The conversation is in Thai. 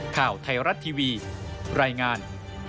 ข่าวไทยรัฐทีวีรายงาน